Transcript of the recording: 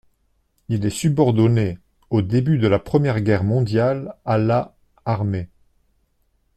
Il est subordonné, au début de la Première Guerre mondiale à la armée.